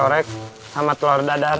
udahan dulu makanan udah datang